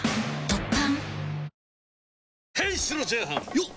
よっ！